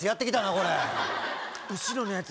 これ後ろのヤツ